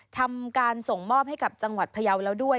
ทำการส่งมอบให้กับจังหวัดพยาวแล้วด้วย